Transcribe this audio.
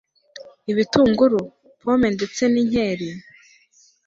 ibitunguru, pomme ndetse n'inkeri